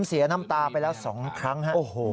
เสียน้ำตาไปแล้ว๒ครั้งฮะ